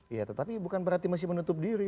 iya tetapi bukan berarti masih menutup diri